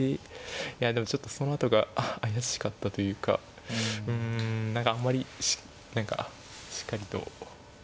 いやでもちょっとそのあとが怪しかったというかうん何かあんまりしっかりと覚えてなかったですね。